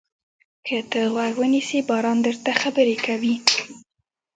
که ته غوږ ونیسې، بازار درته خبرې کوي.